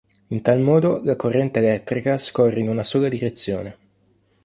In tal modo la corrente elettrica scorre in una sola direzione.